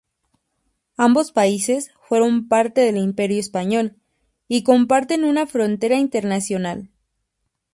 Ambos países fueron parte del Imperio español, y comparten una frontera internacional.